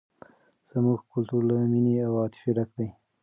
زموږ کلتور له مینې او عاطفې ډک دی.